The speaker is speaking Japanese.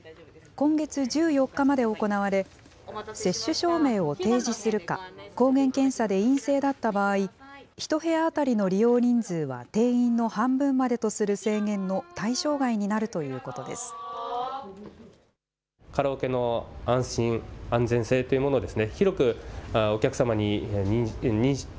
今月１４日まで行われ、接種証明を提示するか、抗原検査で陰性だった場合、１部屋当たりの利用人数は定員の半分までとする制限の対象外になるということです。